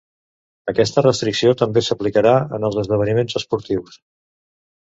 Aquesta restricció també s’aplicarà en els esdeveniments esportius.